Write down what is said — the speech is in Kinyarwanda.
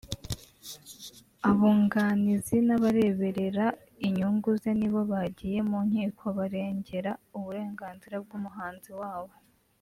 abunganizi n’abareberera inyungu ze ni bo bagiye mu nkiko barengera uburenganzira bw’umuhanzi wabo